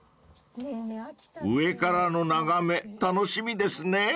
［上からの眺め楽しみですね］